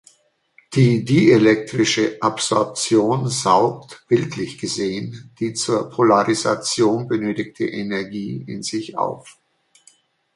Die dielektrische Absorption saugt, bildlich gesehen, die zur Polarisation benötigte Energie in sich auf.